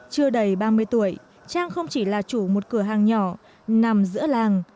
chưa đầy ba mươi tuổi trang không chỉ là chủ một cửa hàng nhỏ nằm giữa làng